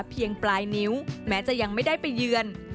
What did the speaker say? ปลายนิ้วแม้จะยังไม่ได้ไปเยือน